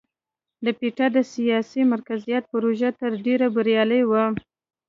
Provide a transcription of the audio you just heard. د پیټر د سیاسي مرکزیت پروژه تر ډېره بریالۍ وه.